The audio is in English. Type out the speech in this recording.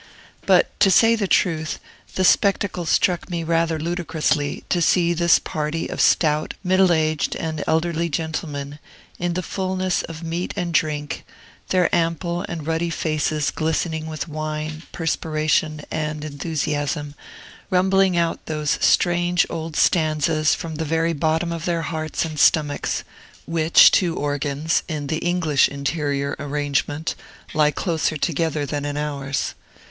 But, to say the truth, the spectacle struck me rather ludicrously, to see this party of stout middle aged and elderly gentlemen, in the fulness of meat and drink, their ample and ruddy faces glistening with wine, perspiration, and enthusiasm, rumbling out those strange old stanzas from the very bottom of their hearts and stomachs, which two organs, in the English interior arrangement, lie closer together than in ours.